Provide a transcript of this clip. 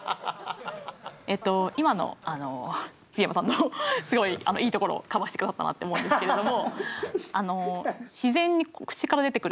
今の杉山さんのすごいいいところをカバーして下さったなって思うんですけれども。